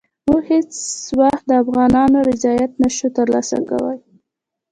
موږ هېڅ وخت د افغانانو رضایت نه شو ترلاسه کولای.